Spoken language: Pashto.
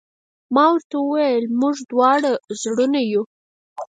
ما ورته وویل: موږ دواړه زړور یو.